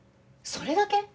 それだけ？